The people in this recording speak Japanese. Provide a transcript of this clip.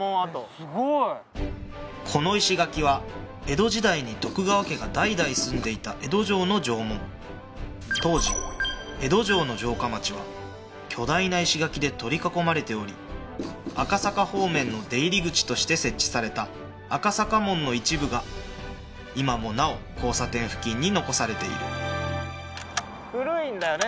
すごいこの石垣は江戸時代に徳川家が代々住んでいた江戸城の城門当時江戸城の城下町は巨大な石垣で取り囲まれており赤坂方面の出入り口として設置された赤坂門の一部が今もなお交差点付近に残されている古いんだよね